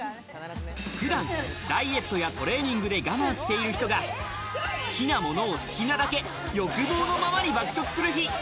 普段ダイエットやトレーニングで我慢している人が好きなものを好きなだけ、欲望のままに爆食する日。